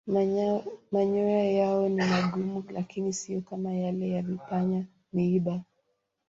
Manyoya yao ni magumu lakini siyo kama yale ya vipanya-miiba.